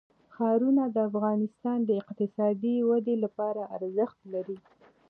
ښارونه د افغانستان د اقتصادي ودې لپاره ارزښت لري.